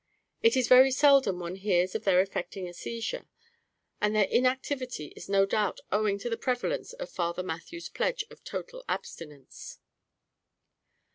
It is very seldom one hears of their effecting a seizure, and their inactivity is no doubt owing to the prevalence of Father Mathew's pledge of total abstinence.